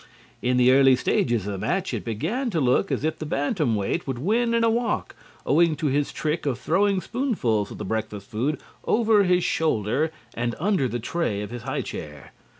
In the early stages of the match, it began to look as if the bantamweight would win in a walk, owing to his trick of throwing spoonfuls of the breakfast food over his shoulder and under the tray of his high chair.